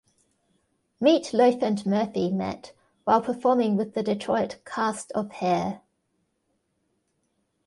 Meat Loaf and Murphy met while performing with the Detroit cast of "Hair".